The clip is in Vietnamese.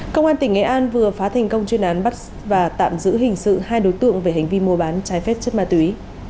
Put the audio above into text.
công an tỉnh nghệ an vừa phá thành công chuyên án bắt và tạm giữ hình sự hai đối tượng về hành vi mua bán trái phép chất ma túy